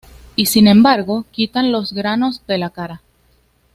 Y sin embargo quitan los granos de la cara.